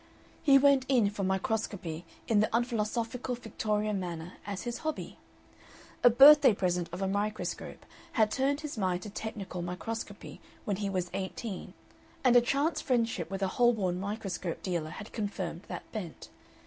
He "went in" for microscopy in the unphilosophical Victorian manner as his "hobby." A birthday present of a microscope had turned his mind to technical microscopy when he was eighteen, and a chance friendship with a Holborn microscope dealer had confirmed that bent.